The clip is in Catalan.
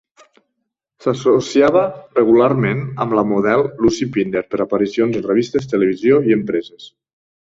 S'associava regularment amb la model Lucy Pinder per a aparicions en revistes, televisió i empreses.